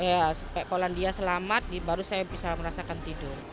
ya supaya polandia selamat baru saya bisa merasakan tidur